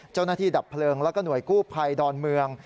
ดับเพลิงแล้วก็หน่วยกู้ภัยดอนเมือง